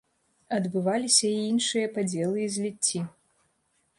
Адбываліся і іншыя падзелы і зліцці.